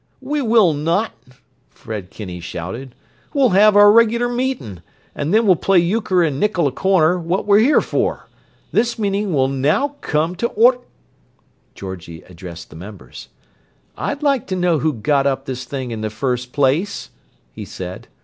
"We will not!" Fred Kinney shouted. "We'll have our reg'lar meeting, and then we'll play euchre & nickel a corner, what we're here for. This meeting will now come to ord—" Georgie addressed the members. "I'd like to know who got up this thing in the first place," he said.